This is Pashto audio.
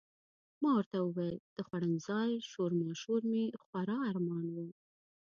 ما ورته وویل د خوړنځای شورماشور مې خورا ارمان و.